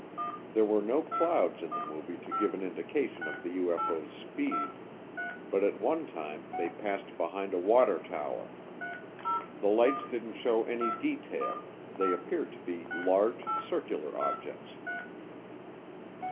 There were no clouds in the movie to give an indication of the UFO's speed, but at one time they passed behind a water tower. The lights didn't show any detail; they appeared to be large circular objects.